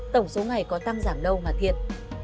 tổng số ngày có tăng giảm đâu mà thiệt